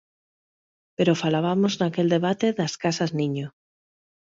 Pero falabamos naquel debate das casas niño.